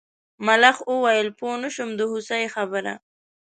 ملخ وویل پوه نه شوم د هوسۍ خبره.